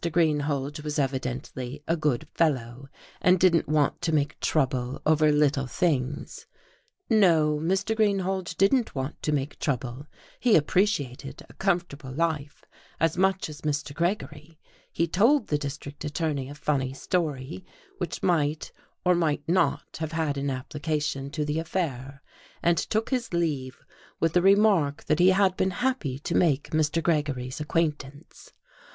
Greenhalge was evidently a good fellow, and didn't want to make trouble over little things. No, Mr. Greenhalge didn't want to make trouble; he appreciated a comfortable life as much as Mr. Gregory; he told the district attorney a funny story which might or might not have had an application to the affair, and took his leave with the remark that he had been happy to make Mr. Gregory's acquaintance.